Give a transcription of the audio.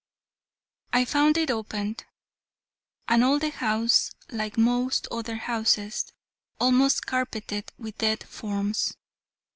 I found it open, and all the house, like most other houses, almost carpeted with dead forms.